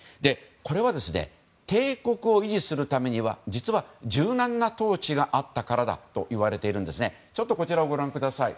これは、帝国を維持するために柔軟な統治があったからだといわれているんです。